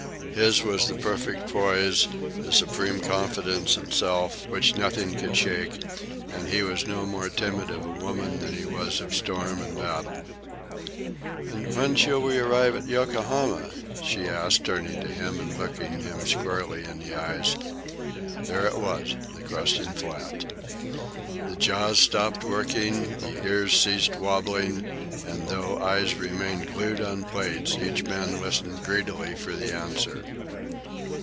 His was the perfect poise, the supreme confidence in self, which nothing could shake; and he was no more timid of a woman than he was of storm and battle. "And when shall we arrive at Yokohama?" she asked, turning to him and looking him squarely in the eyes. There it was, the question flat. The jaws stopped working, the ears ceased wobbling, and though eyes remained glued on plates, each man listened greedily for the answer.